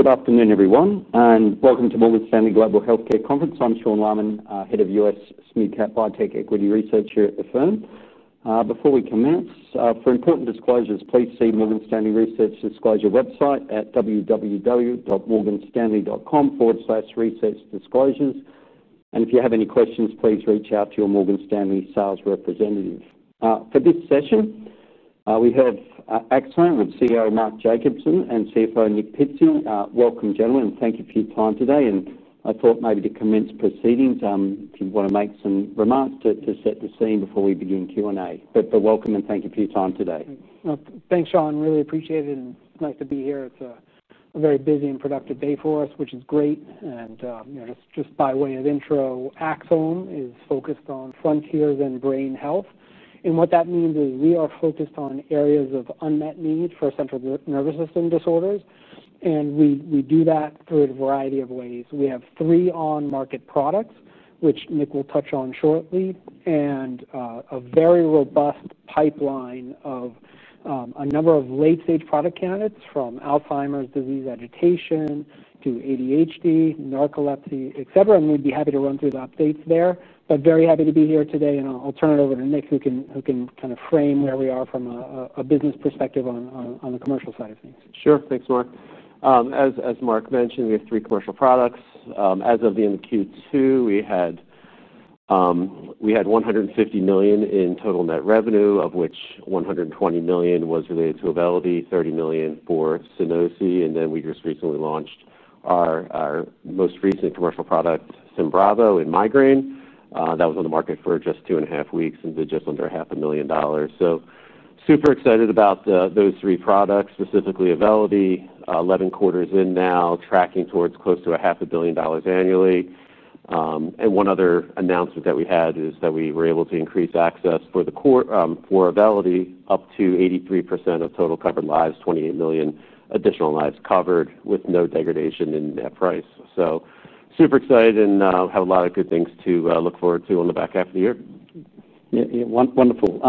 Good afternoon, everyone, and welcome to the Morgan Stanley Global Healthcare Conference. I'm Sean Lannan, Head of U.S. Smidcap Biotech Equity Research here at the firm. Before we commence, for important disclosures, please see Morgan Stanley Research's disclosure website at www.morganstanley.com/research-disclosures. If you have any questions, please reach out to your Morgan Stanley sales representative. For this session, we have Axsome with COO Mark Jacobson and CFO Nick Pizzie. Welcome, gentlemen, and thank you for your time today. I thought maybe to commence proceedings, if you want to make some remarks to set the scene before we begin Q&A. Welcome, and thank you for your time today. Thanks, Sean. Really appreciate it and nice to be here. It's a very busy and productive day for us, which is great. Just by way of intro, Axsome is focused on frontiers in brain health. What that means is we are focused on areas of unmet needs for central nervous system disorders. We do that through a variety of ways. We have three on-market products, which Nick will touch on shortly, and a very robust pipeline of a number of late-stage product candidates from Alzheimer's disease agitation to ADHD, narcolepsy, et cetera. We'd be happy to run through the updates there. Very happy to be here today. I'll turn it over to Nick, who can kind of frame where we are from a business perspective on the commercial side of things. Sure. Thanks, Mark. As Mark mentioned, we have three commercial products. As of the end of Q2, we had $150 million in total net revenue, of which $120 million was related to AUVELITY, $30 million for SUNOSI. We just recently launched our most recent commercial product, SYMBRAVO, in migraine. That was on the market for just two and a half weeks and did just under $0.5 million. Super excited about those three products, specifically AUVELITY. 11 quarters in now, tracking towards close to $0.5 billion annually. One other announcement that we had is that we were able to increase access for AUVELITY up to 83% of total covered lives, 28 million additional lives covered with no degradation in that price. Super excited and have a lot of good things to look forward to on the back half of the year. Yeah, wonderful.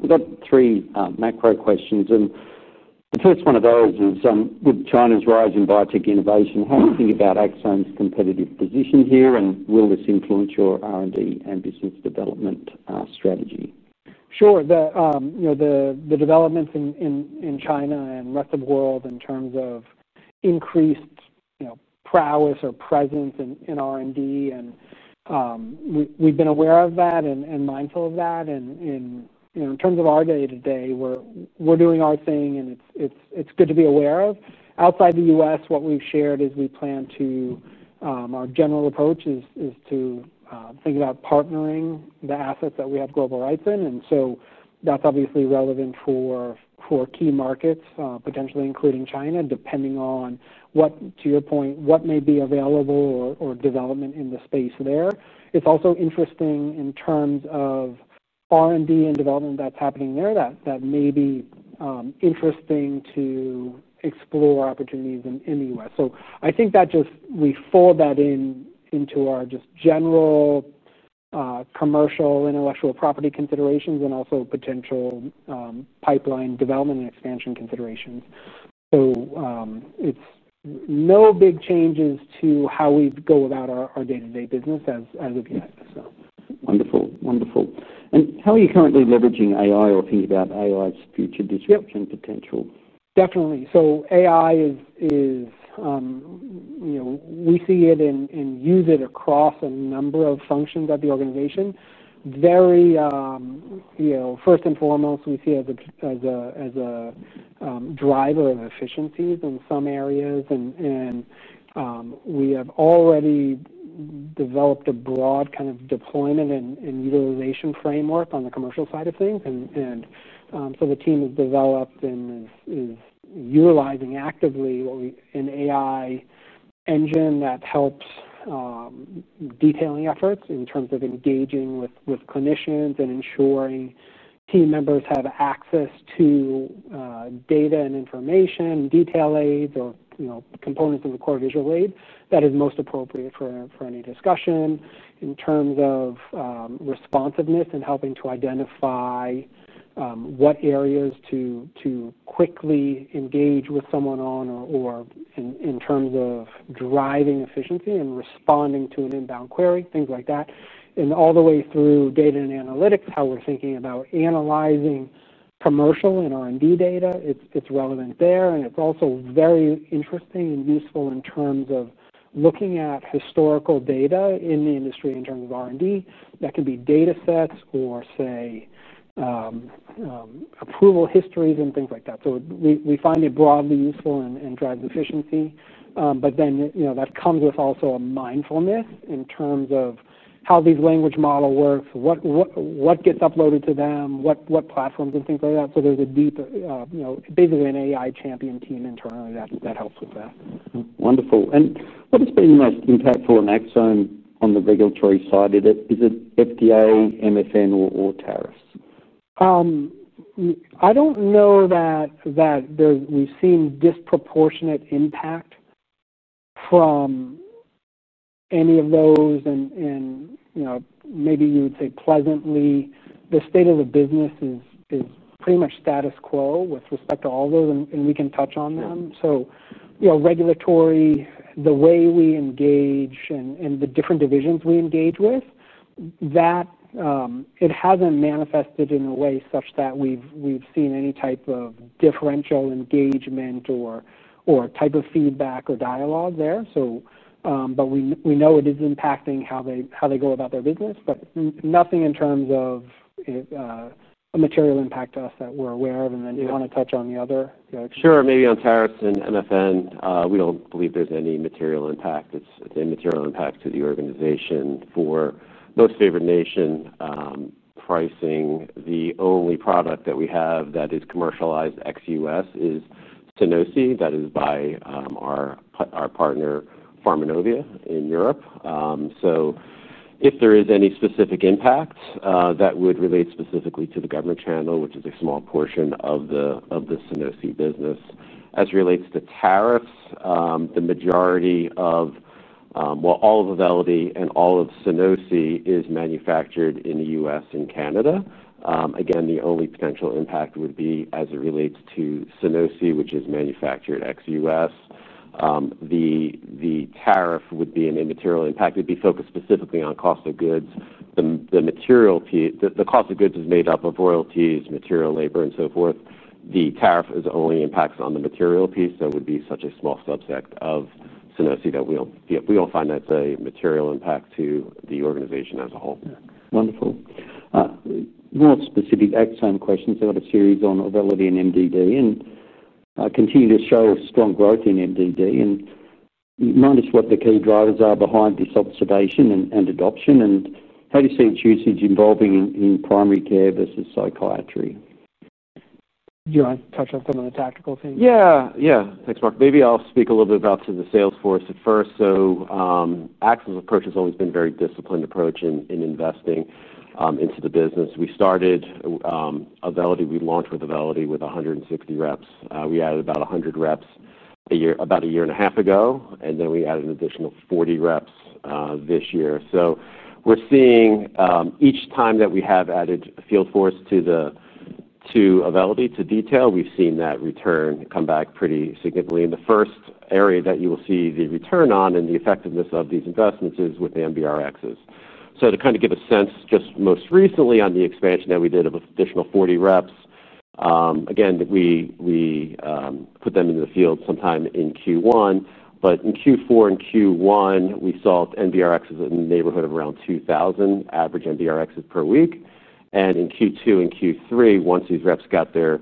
We've got three macro questions. The first one of those is with China's rise in biotech innovation, how do you think about Axsome 's competitive position here? Will this influence your R&D and business development strategy? Sure. The developments in China and the rest of the world in terms of increased prowess or presence in R&D, and we've been aware of that and mindful of that. In terms of our day-to-day, we're doing our thing, and it's good to be aware of. Outside the U.S., what we've shared is we plan to, our general approach is to think about partnering the assets that we have global rights in. That's obviously relevant for key markets, potentially including China, depending on what, to your point, what may be available or development in the space there. It's also interesting in terms of R&D and development that's happening there that may be interesting to explore opportunities in the U.S. I think that just we fold that in into our just general commercial intellectual property considerations and also potential pipeline development and expansion considerations. It's no big changes to how we go about our day-to-day business as of yet. Wonderful, wonderful. How are you currently leveraging AI or thinking about AI's future disruption potential? Definitely. AI is, you know, we see it and use it across a number of functions at the organization. Very, you know, first and foremost, we see it as a driver of efficiencies in some areas. We have already developed a broad kind of deployment and utilization framework on the commercial side of things. The team has developed and is utilizing actively an AI engine that helps detailing efforts in terms of engaging with clinicians and ensuring team members have access to data and information, detail aids, or components of the core visual aid that is most appropriate for any discussion in terms of responsiveness and helping to identify what areas to quickly engage with someone on or in terms of driving efficiency and responding to an inbound query, things like that. All the way through data and analytics, how we're thinking about analyzing commercial and R&D data, it's relevant there. It's also very interesting and useful in terms of looking at historical data in the industry in terms of R&D that can be data sets or, say, approval histories and things like that. We find it broadly useful and it drives efficiency. That comes with also a mindfulness in terms of how these language models work, what gets uploaded to them, what platforms and things like that. There's a deep, you know, basically an AI champion team internally that helps with that. Wonderful. What has been the most impactful in Axsome on the regulatory side? Is it FDA, MSN, or tariffs? I don't know that we've seen disproportionate impact from any of those. You know, maybe you would say pleasantly, the state of the business is pretty much status quo with respect to all of those, and we can touch on them. Regulatory, the way we engage and the different divisions we engage with, it hasn't manifested in a way such that we've seen any type of differential engagement or type of feedback or dialogue there. We know it is impacting how they go about their business, but nothing in terms of a material impact to us that we're aware of. Do you want to touch on the other? Sure. Maybe on tariffs and MSN, we don't believe there's any material impact. It's an immaterial impact to the organization. For most favored nation pricing, the only product that we have that is commercialized ex-US is SUNOSI. That is by our partner, Pharmanovia, in Europe. If there is any specific impact, that would relate specifically to the government channel, which is a small portion of the SUNOSI business. As it relates to tariffs, the majority of, well, all of AUVELITY and all of SUNOSI is manufactured in the U.S. and Canada. Again, the only potential impact would be as it relates to SUNOSI, which is manufactured ex-US. The tariff would be an immaterial impact. It'd be focused specifically on cost of goods. The material piece, the cost of goods is made up of royalties, material, labor, and so forth. The tariff only impacts the material piece. It would be such a small subset of SUNOSI that we don't find that's a material impact to the organization as a whole. Wonderful. More specific Axsome questions out of series on AUVELITY and MDD and continue to show strong growth in MDD. You manage what the key drivers are behind this observation and adoption, and how do you see its usage evolving in primary care versus psychiatry? Do you want to touch on some of the tactical things? Yeah, yeah. Thanks, Mark. Maybe I'll speak a little bit about the sales force at first. Axsome's approach has always been a very disciplined approach in investing into the business. We started AUVELITY, we launched with AUVELITY with 160 reps. We added about 100 reps about a year and a half ago, and then we added an additional 40 reps this year. We're seeing each time that we have added a field force to AUVELITY to detail, we've seen that return come back pretty significantly. The first area that you will see the return on and the effectiveness of these investments is with the MBRXs. To kind of give a sense, just most recently on the expansion that we did of additional 40 reps, again, we put them in the field sometime in Q1. In Q4 and Q1, we saw MBRXs in the neighborhood of around 2,000 average MBRXs per week. In Q2 and Q3, once these reps got their,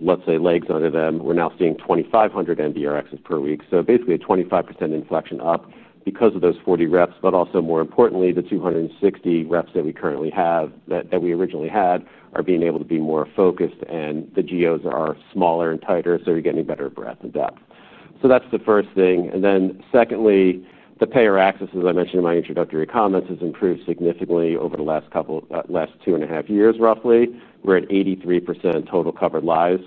let's say, legs under them, we're now seeing 2,500 MBRXs per week. Basically, a 25% inflection up because of those 40 reps, but also more importantly, the 260 reps that we currently have, that we originally had, are being able to be more focused and the GOs are smaller and tighter, so you're getting better breadth and depth. That's the first thing. Secondly, the payer access, as I mentioned in my introductory comments, has improved significantly over the last couple, last two and a half years, roughly. We're at 83% of total covered lives.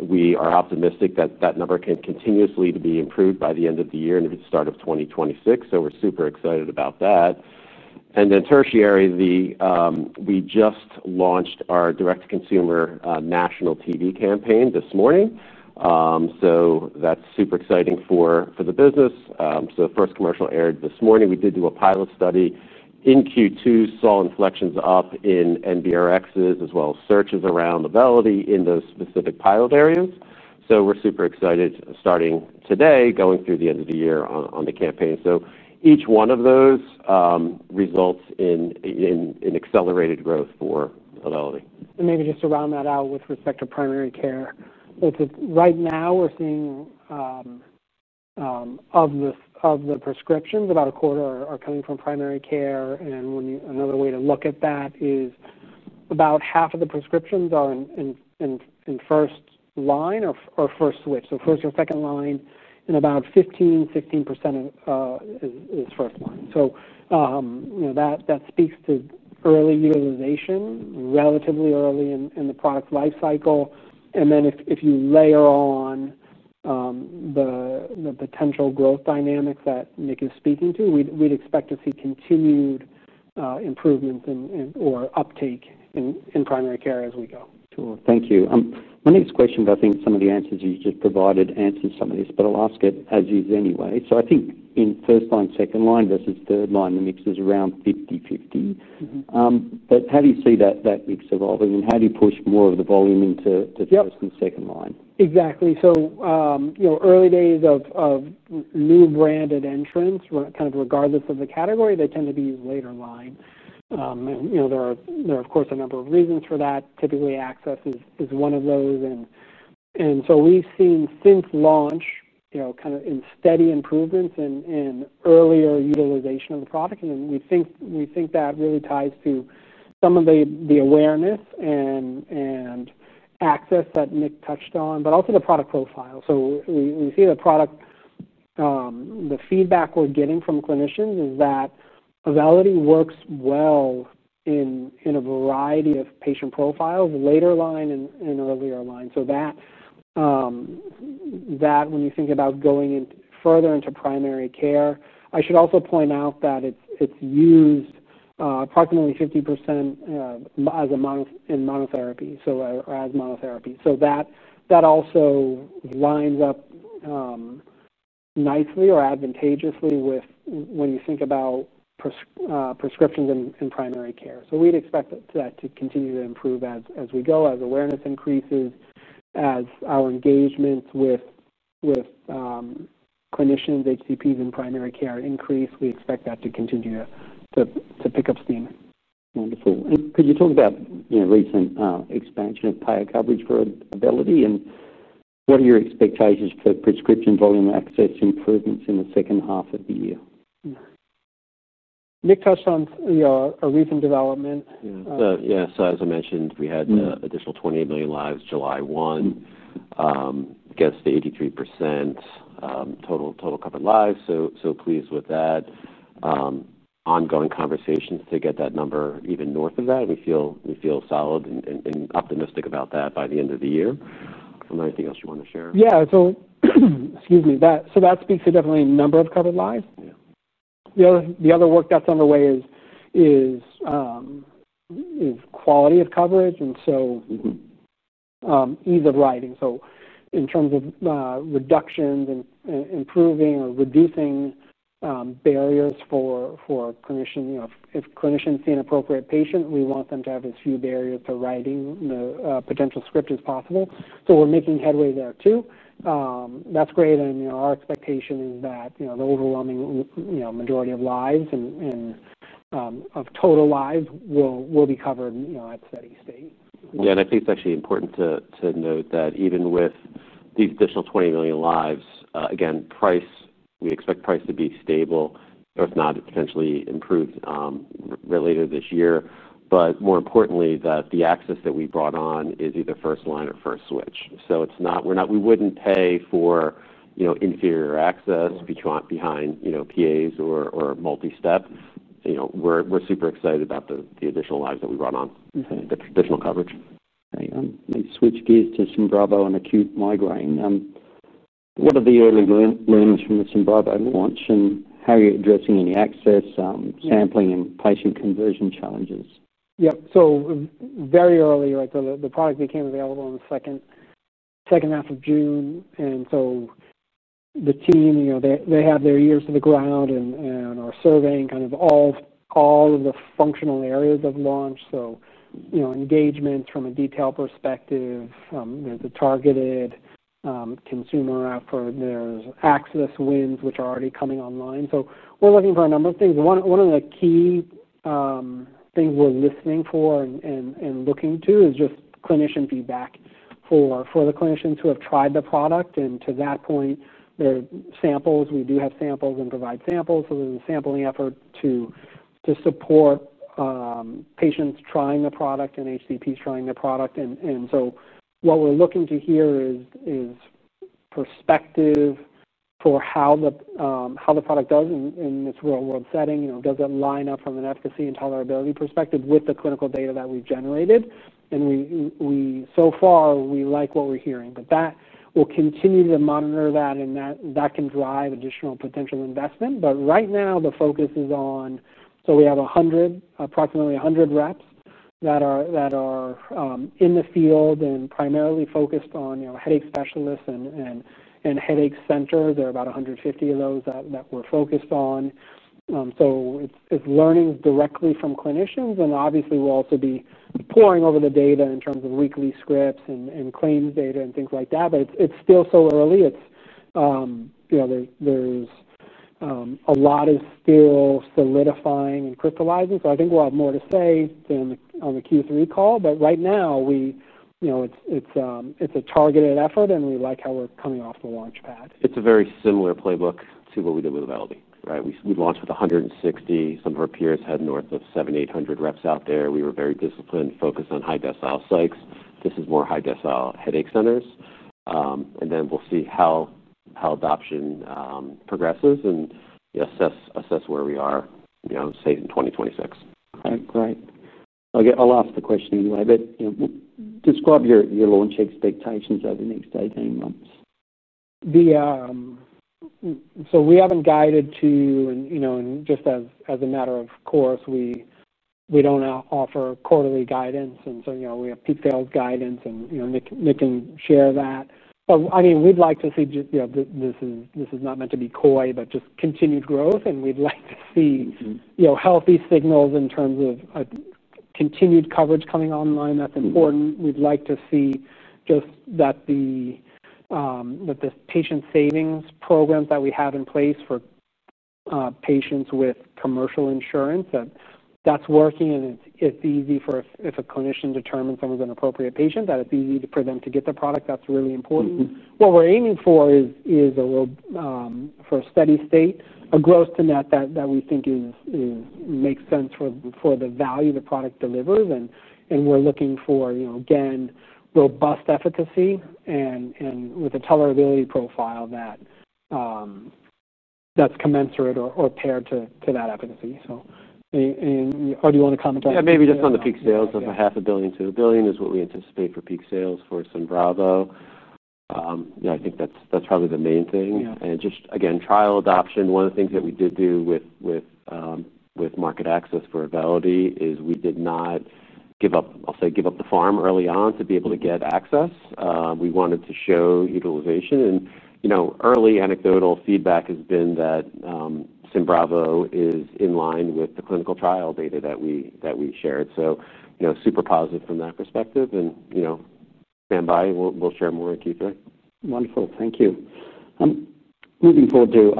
We are optimistic that that number can continuously be improved by the end of the year and into the start of 2026. We're super excited about that. Tertiary, we just launched our direct-to-consumer national TV campaign this morning. That's super exciting for the business. The first commercial aired this morning. We did do a pilot study in Q2, saw inflections up in MBRXs as well as searches around AUVELITY in those specific pilot areas. We're super excited starting today, going through the end of the year on the campaign. Each one of those results in accelerated growth for AUVELITY. Maybe just to round that out with respect to primary care, right now we're seeing of the prescriptions, about a quarter are coming from primary care. Another way to look at that is about half of the prescriptions are in first line or first switch, so first or second line, and about 15%, 16% is first line. That speaks to early utilization, relatively early in the product life cycle. If you layer on the potential growth dynamics that Nick is speaking to, we'd expect to see continued improvement or uptake in primary care as we go. Thank you. My next question, I think some of the answers you just provided answered some of this, but I'll ask it as is anyway. I think in first line, second line versus third line, the mix is around 50/50. How do you see that mix evolving, and how do you push more of the volume into first and second line? Exactly. Early days of new branded entrants, kind of regardless of the category, they tend to be later line. There are, of course, a number of reasons for that. Typically, access is one of those. We have seen since launch steady improvements in earlier utilization of the product. We think that really ties to some of the awareness and access that Nick touched on, but also the product profile. We see the product, the feedback we're getting from clinicians is that AUVELITY works well in a variety of patient profiles, later line and earlier line. When you think about going further into primary care, I should also point out that it's used approximately 50% in monotherapy, or as monotherapy. That also lines up nicely or advantageously with when you think about prescriptions and primary care. We would expect that to continue to improve as we go, as awareness increases, as our engagements with clinicians, HCPs, and primary care increase. We expect that to continue to pick up steam. Wonderful. Could you talk about recent expansion of payer coverage for AUVELITY? What are your expectations for prescription volume access improvements in the second half of the year? Nick touched on a recent development. As I mentioned, we had the additional $28 million lives July 1, gets to 83% total covered lives. Pleased with that. Ongoing conversations to get that number even north of that. We feel solid and optimistic about that by the end of the year. I don't know anything else you want to share. Excuse me. That speaks to definitely a number of covered lives. The other work that's underway is quality of coverage and ease of writing. In terms of reductions and improving or reducing barriers for clinicians, if clinicians see an appropriate patient, we want them to have as few barriers to writing the potential script as possible. We're making headway there too. That's great. Our expectation is that the overwhelming majority of lives and of total lives will be covered at steady state. I think it's actually important to note that even with these additional 20 million lives, again, price, we expect price to be stable or, if not, it's potentially improved later this year. More importantly, the access that we brought on is either first line or first switch. It's not we wouldn't pay for, you know, inferior access behind, you know, PAs or multi-step. We're super excited about the additional lives that we brought on, the additional coverage. Thanks. Let me switch gears to SYMBRAVO and acute migraine. What are the early learnings from the SYMBRAVO launch, and how are you addressing any access, sampling, and patient conversion challenges? Yep. Very early, right, the product became available in the second half of June. The team has their ears to the ground and is surveying all of the functional areas of launch. Engagement from a detail perspective, there's a targeted consumer app for their access wins, which are already coming online. We are looking for a number of things. One of the key things we're listening for and looking to is just clinician feedback for the clinicians who have tried the product. To that point, there are samples. We do have samples and provide samples. There's a sampling effort to support patients trying the product and HCPs trying the product. What we're looking to hear is perspective for how the product does in its real-world setting. Does it line up from an efficacy and tolerability perspective with the clinical data that we've generated? So far, we like what we're hearing. We will continue to monitor that, and that can drive additional potential investment. Right now, the focus is on, we have approximately 100 reps that are in the field and primarily focused on headache specialists and headache centers. There are about 150 of those that we're focused on. It's learning directly from clinicians. Obviously, we'll also be pouring over the data in terms of weekly scripts and claims data and things like that. It's still so early. There's a lot of still solidifying and crystallizing. I think we'll have more to say on the Q3 call. Right now, it's a targeted effort, and we like how we're coming off the launchpad. It's a very similar playbook to what we did with AUVELITY, right? We launched with 160. Some of our peers had north of 7,800 reps out there. We were very disciplined, focused on high-decile sites. This is more high-decile headache centers. We'll see how adoption progresses and assess where we are, you know, say in 2026. Great. I'll ask the question anyway, but you know, describe your launch expectations over the next 18 months. We haven't guided to, and just as a matter of course, we don't offer quarterly guidance. We have detailed guidance, and Nick can share that. We'd like to see—this is not meant to be coy—just continued growth. We'd like to see healthy signals in terms of continued coverage coming online. That's important. We'd like to see that the patient savings programs we have in place for patients with commercial insurance are working, and it's easy if a clinician determines someone's an appropriate patient, that it's easy for them to get the product. That's really important. What we're aiming for is a steady state, a gross to net that we think makes sense for the value the product delivers. We're looking for robust efficacy and a tolerability profile that's commensurate or paired to that efficacy. Do you want to comment on that? Yeah, maybe just on the peak sales of $500 million to $1 billion is what we anticipate for peak sales for SYMBRAVO. I think that's probably the main thing. Just, again, trial adoption. One of the things that we did do with market access for AUVELITY is we did not give up, I'll say, give up the farm early on to be able to get access. We wanted to show utilization. Early anecdotal feedback has been that SYMBRAVO is in line with the clinical trial data that we shared. Super positive from that perspective. Standby. We'll share more in Q3. Wonderful. Thank you. Moving forward to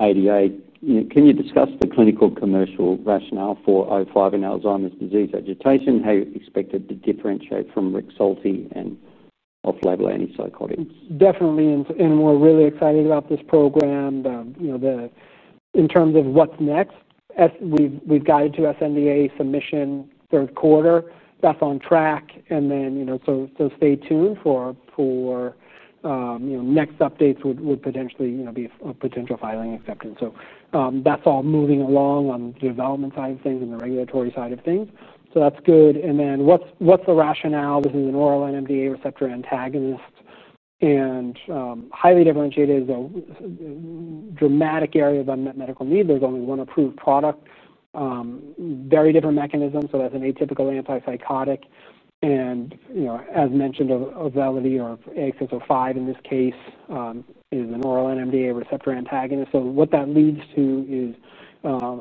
IDI, can you discuss the clinical commercial rationale for AXS-05 in Alzheimer’s disease agitation? How you expect it to differentiate from REXULTI and off-label antipsychotics? Definitely. We're really excited about this program. In terms of what's next, we've got the sNDA submission in the third quarter. That's on track. Stay tuned for next updates, which would potentially be a potential filing acceptance. That's all moving along on the development side of things and the regulatory side of things. That's good. What's the rationale? This is an oral NMDA receptor antagonist and highly differentiated, though dramatic area of unmet medical need. There's only one approved product with a very different mechanism. That's an atypical antipsychotic. As mentioned, AUVELITY or AXS-05 in this case is an oral NMDA receptor antagonist. That leads to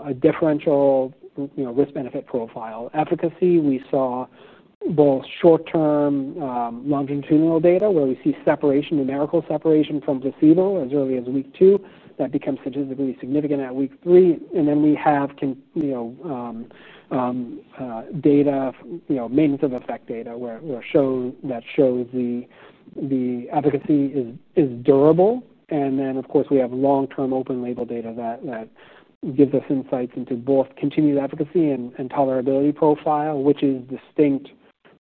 a differential risk-benefit profile. Efficacy, we saw both short-term longitudinal data where we see separation, numerical separation from placebo as early as week two. That becomes statistically significant at week three. We have data, maintenance of effect data, where that shows the efficacy is durable. Of course, we have long-term open-label data that gives us insights into both continued efficacy and tolerability profile, which is distinct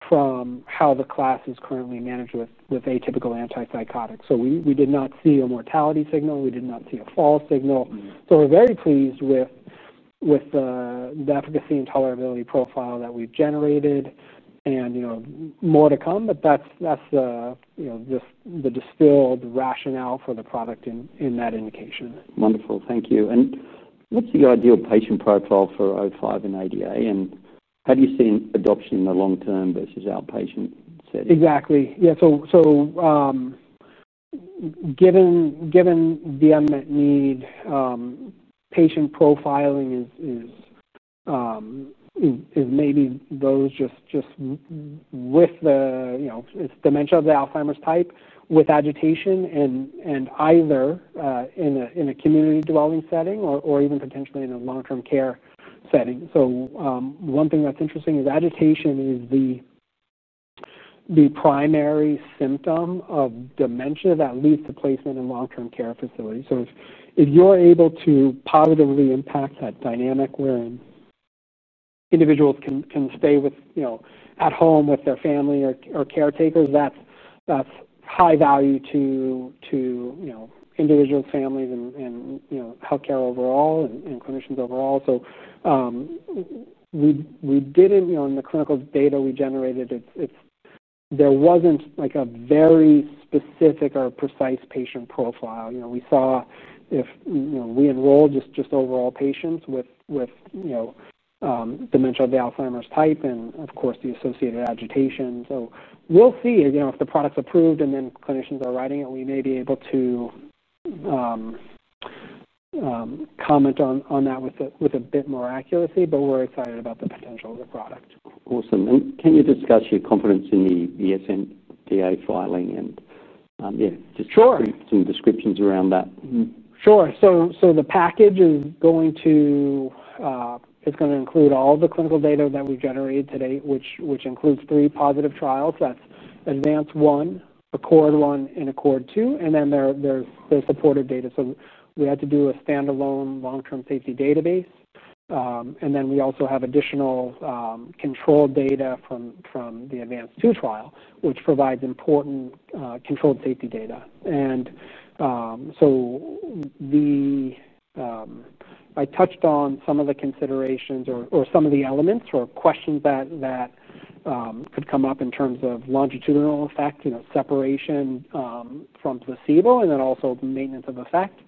from how the class is currently managed with atypical antipsychotics. We did not see a mortality signal. We did not see a fall signal. We're very pleased with the efficacy and tolerability profile that we've generated. More to come, but that's just the distilled rationale for the product in that indication. Wonderful. Thank you. What is your ideal patient profile for AXS-05 and ADA? How do you see adoption in the long-term versus outpatient settings? Exactly. Yeah. Given the unmet need, patient profiling is maybe those just with the, you know, it's dementia of the Alzheimer's type with agitation and either in a community dwelling setting or even potentially in a long-term care setting. One thing that's interesting is agitation is the primary symptom of dementia that leads to placement in long-term care facilities. If you're able to positively impact that dynamic where individuals can stay at home with their family or caretakers, that's high value to individuals, families, and healthcare overall and clinicians overall. In the clinical data we generated, there wasn't a very specific or precise patient profile. We saw if we enrolled just overall patients with dementia of the Alzheimer's type and, of course, the associated agitation. We'll see if the product's approved and then clinicians are writing it, we may be able to comment on that with a bit more accuracy, but we're excited about the potential of the product. Awesome. Can you discuss your confidence in the sNDA filing and just some descriptions around that? Sure. The package is going to include all of the clinical data that we generated to date, which includes three positive trials. That's ADVANCE-1, ACCORD-1, and ACCORD-2. Then there's the supportive data. We had to do a standalone long-term safety database. We also have additional controlled data from the ADVANCE-2 trial, which provides important controlled safety data. I touched on some of the considerations or some of the elements or questions that could come up in terms of longitudinal effect, separation from placebo, and also maintenance of effect.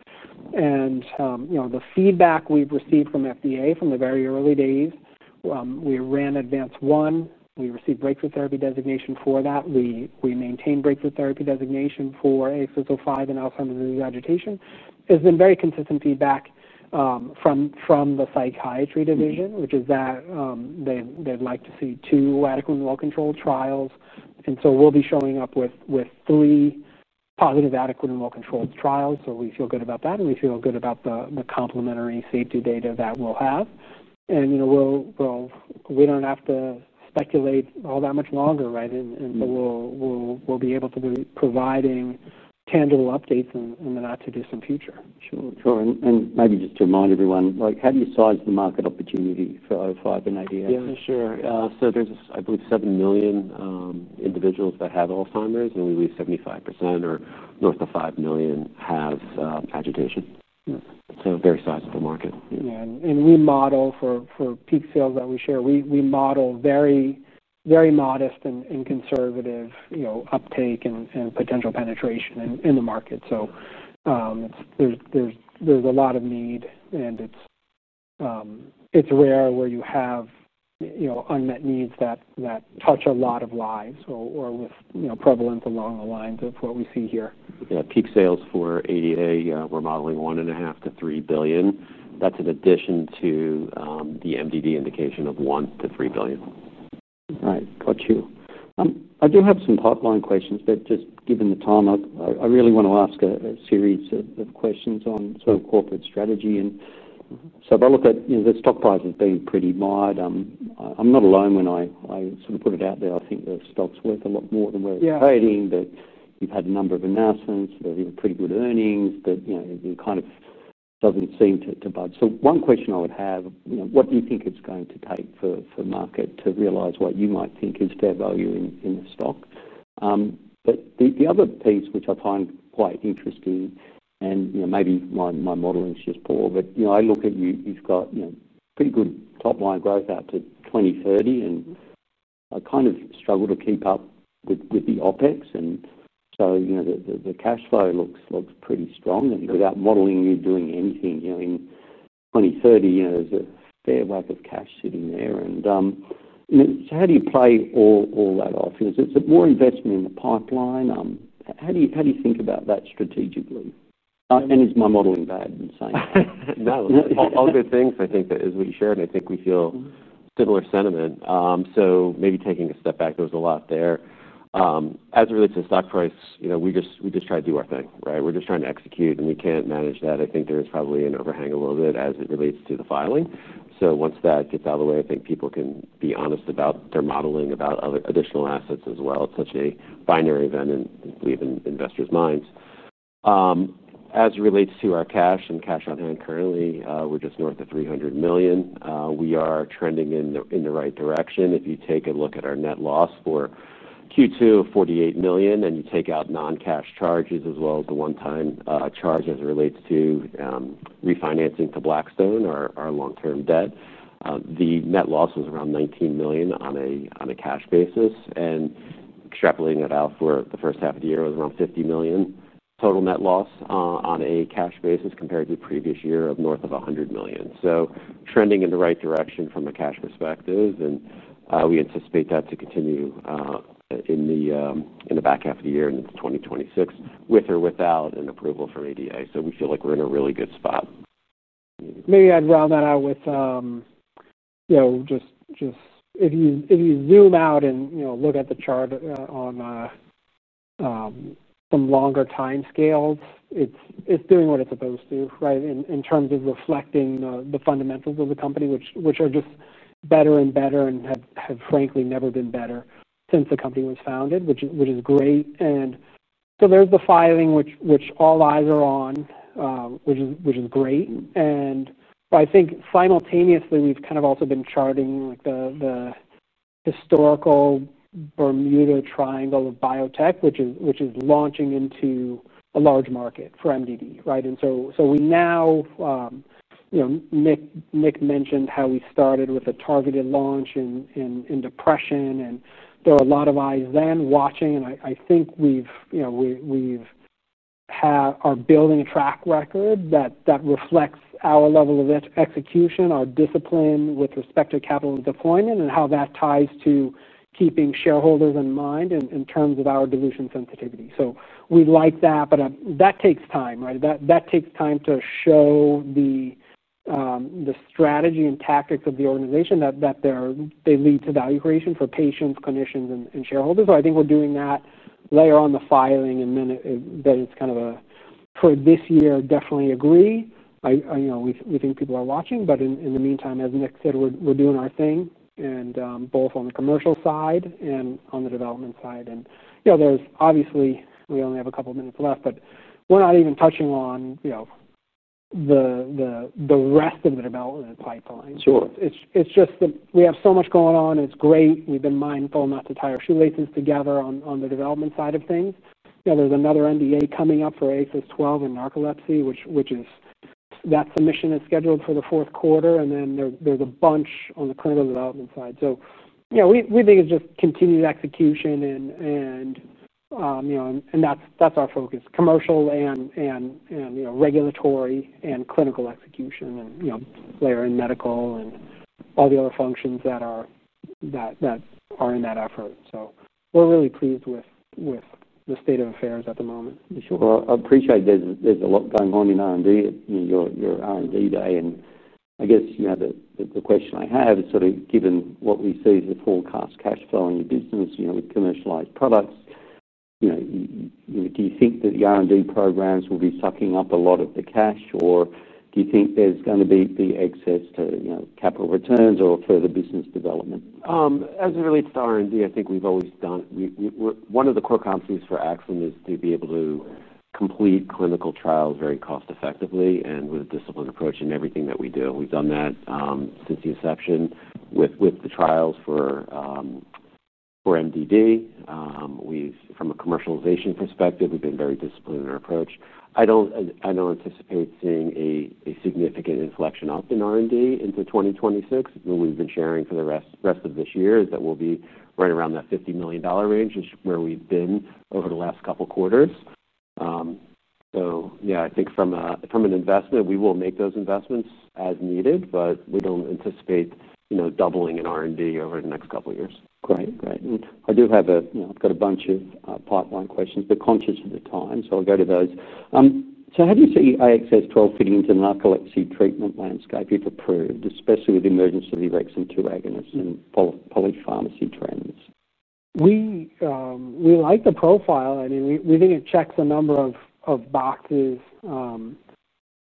The feedback we've received from FDA from the very early days, we ran ADVANCE-1. We received breakthrough therapy designation for that. We maintained breakthrough therapy designation for AXS-05 and Alzheimer’s disease agitation. There has been very consistent feedback from the psychiatry division, which is that they'd like to see two adequate and well-controlled trials. We will be showing up with three positive, adequate, and well-controlled trials. We feel good about that, and we feel good about the complementary safety data that we'll have. We don't have to speculate all that much longer, right? We'll be able to be providing tangible updates in the not-too-distant future. Sure. Maybe just to remind everyone, how do you size the market opportunity for AXS-05 and ADA? Yeah, for sure. There is, I believe, 7 million individuals that have Alzheimer's, and we believe 75% or north of 5 million have agitation. A very sizable market. We model for peak sales that we share, we model very, very modest and conservative, you know, uptake and potential penetration in the market. There's a lot of need, and it's rare where you have, you know, unmet needs that touch a lot of lives or with, you know, prevalence along the lines of what we see here. Yeah. Peak sales for ADA, we're modeling $1.5 billion- $3 billion. That's in addition to the MDD indication of $1 billion- $3 billion. Right. Got you. I do have some pipeline questions, but just given the time, I really want to ask a series of questions on sort of corporate strategy. If I look at, you know, the stock price has been pretty mild. I'm not alone when I sort of put it out there. I think the stock's worth a lot more than where it's trading, but we've had a number of announcements. They're giving pretty good earnings, but, you know, it kind of doesn't seem to budge. One question I would have, you know, what do you think it's going to take for the market to realize what you might think is fair value in the stock? The other piece, which I find quite interesting, and you know, maybe my modeling is just poor, but you know, I look at you, you've got, you know, pretty good top-line growth out to 2030. I kind of struggle to keep up with the OpEx. You know, the cash flow looks pretty strong. Without modeling you doing anything, you know, in 2030, you know, there's a fair wealth of cash sitting there. You know, how do you play all that off? Is it more investment in the pipeline? How do you think about that strategically? Is my modeling bad in saying? No, all good things. I think that as we shared, I think we feel similar sentiment. Maybe taking a step back, there was a lot there. As it relates to the stock price, you know, we just try to do our thing, right? We're just trying to execute, and we can't manage that. I think there's probably an overhang a little bit as it relates to the filing. Once that gets out of the way, I think people can be honest about their modeling about other additional assets as well. It's such a binary event in, believe it, investors' minds. As it relates to our cash and cash on hand currently, we're just north of $300 million. We are trending in the right direction. If you take a look at our net loss for Q2 of $48 million, and you take out non-cash charges as well as the one-time charge as it relates to refinancing to Blackstone our long-term debt, the net loss was around $19 million on a cash basis. Extrapolating that out for the first half of the year, it was around $50 million total net loss on a cash basis compared to the previous year of north of $100 million. Trending in the right direction from a cash perspective. We anticipate that to continue in the back half of the year and into 2026 with or without an approval from ADA. We feel like we're in a really good spot. Maybe I'd round that out with, you know, just if you zoom out and, you know, look at the chart on some longer time scales, it's doing what it's supposed to, right, in terms of reflecting the fundamentals of the company, which are just better and better and have, frankly, never been better since the company was founded, which is great. There's the filing, which all eyes are on, which is great. I think simultaneously, we've kind of also been charting like the historical Bermuda triangle of biotech, which is launching into a large market for major depressive disorder, right? We now, you know, Nick mentioned how we started with a targeted launch in depression. There are a lot of eyes then watching. I think we've, you know, we've had our building track record that reflects our level of execution, our discipline with respect to capital deployment, and how that ties to keeping shareholders in mind in terms of our dilution sensitivity. We like that, but that takes time, right? That takes time to show the strategy and tactics of the organization that they lead to value creation for patients, clinicians, and shareholders. I think we're doing that layer on the filing and then it's kind of a, for this year, definitely agree. I, you know, we think people are watching. In the meantime, as Nick said, we're doing our thing both on the commercial side and on the development side. Obviously, we only have a couple of minutes left, but we're not even touching on the rest of the development pipeline. It's just that we have so much going on. It's great. We've been mindful not to tie our shoelaces together on the development side of things. There's another NDA coming up for AXS-12 in narcolepsy, which is that submission is scheduled for the fourth quarter. There's a bunch on the clinical development side. We think it's just continued execution, and that's our focus, commercial and regulatory and clinical execution, and layer in medical and all the other functions that are in that effort. We're really pleased with the state of affairs at the moment. Sure. I appreciate there's a lot going on in R&D at your R&D day. I guess you have the question I have, sort of given what we see with forecast cash flow in your business, you know, with commercialized products, you know, do you think that the R&D programs will be sucking up a lot of the cash, or do you think there's going to be the excess to, you know, capital returns or further business development? As it relates to R&D, I think we've always done it. One of the core competencies for Axsome is to be able to complete clinical trials very cost-effectively and with a disciplined approach in everything that we do. We've done that since the inception with the trials for MDD. From a commercialization perspective, we've been very disciplined in our approach. I don't anticipate seeing a significant inflection up in R&D into 2026. What we've been sharing for the rest of this year is that we'll be right around that $50 million range, which is where we've been over the last couple of quarters. I think from an investment, we will make those investments as needed, but we don't anticipate, you know, doubling in R&D over the next couple of years. Great. I do have a bunch of pipeline questions, but conscious of the time, I'll go to those. How do you see AXS-12 fitting into the narcolepsy treatment landscape if approved, especially with the emergence of the orexin- 2 agonists and polypharmacy trends? We like the profile. We think it checks a number of boxes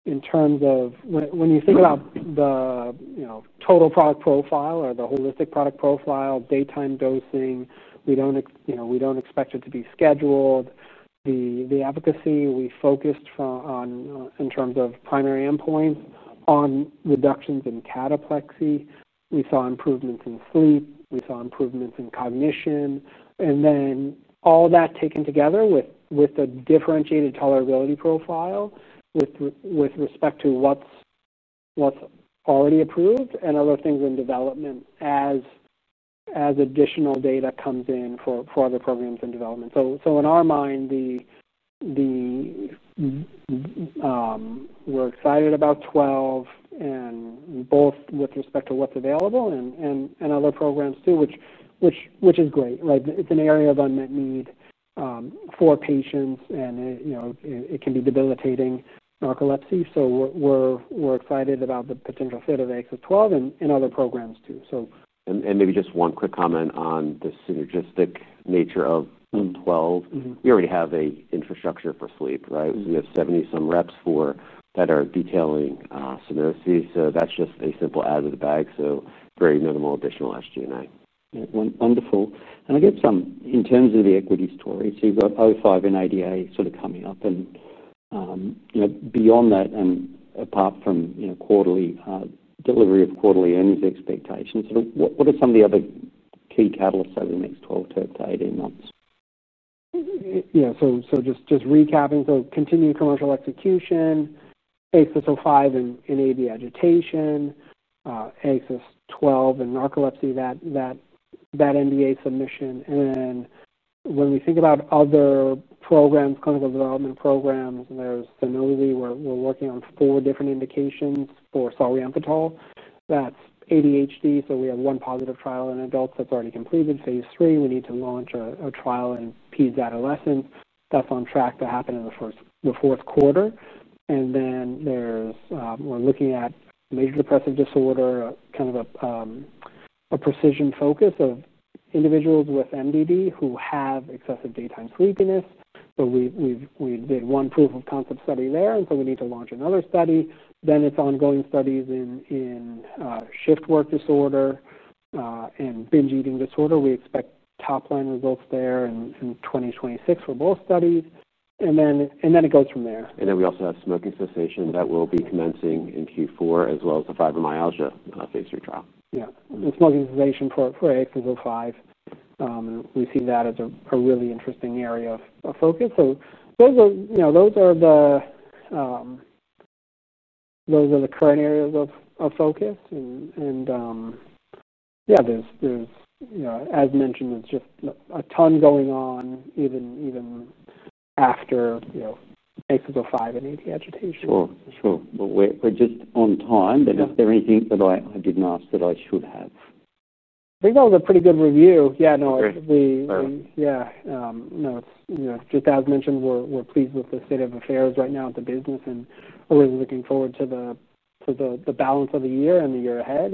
in terms of when you think about the total product profile or the holistic product profile, daytime dosing. We don't expect it to be scheduled. The efficacy we focused on in terms of primary endpoints on reductions in cataplexy. We saw improvements in sleep. We saw improvements in cognition. All that taken together with a differentiated tolerability profile with respect to what's already approved and other things in development as additional data comes in for other programs in development. In our mind, we're excited about AXS-12 and both with respect to what's available and other programs too, which is great, right? It's an area of unmet need for patients, and it can be debilitating narcolepsy. We're excited about the potential fit of AXS-12 and other programs too. Maybe just one quick comment on the synergistic nature of AXS-12. You already have an infrastructure for sleep, right? We have 70-some reps that are detailing SUNOSI. That's just a simple add to the bag, so very minimal additional SG&A. Wonderful. I guess in terms of the equity story, you've got AXS-05 and Alzheimer's disease agitation sort of coming up. Beyond that and apart from quarterly delivery of quarterly earnings expectations, what are some of the other key catalysts over the next 12 to 18 months? Yeah. Just recapping, continued commercial execution, AXS-05 and AD agitation, AXS-12 and narcolepsy, that NDA submission. When we think about other programs, clinical development programs, there's SUNOSI. We're working on four different indications for solriamfetol. That's ADHD. We have one positive trial in adults that's already completed in phase III. We need to launch a trial in pediatric adolescents. That's on track to happen in the fourth quarter. We're looking at major depressive disorder, kind of a precision focus of individuals with MDD who have excessive daytime sleepiness. We did one proof of concept study there, so we need to launch another study. There are ongoing studies in shift work disorder and binge eating disorder. We expect top-line results there in 2026 for both studies. It goes from there. We also have smoking cessation that will be commencing in Q4 as well as the fibromyalgia phase III trial. Yeah. The smoking cessation for AXS-05, we see that as a really interesting area of focus. Those are the current areas of focus. Yeah, there's, you know, as mentioned, there's just a ton going on even after AXS-05 and AD agitation. Sure. We're just on time. Is there anything that I didn't ask that I should have? I think that was a pretty good review. No, it should be. No, it's just as mentioned, we're pleased with the state of affairs right now at the business. We're really looking forward to the balance of the year and the year ahead.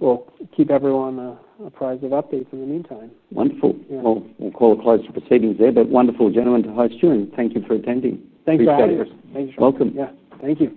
We'll keep everyone apprised of updates in the meantime. Wonderful. We'll call it close to proceedings there. Wonderful, gentlemen, to host you, and thank you for attending. Thanks, guys. Thanks, guys. Thank you, sir. Welcome. Thank you.